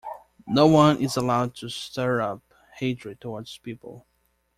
No one is allowed to stir up hatred towards people.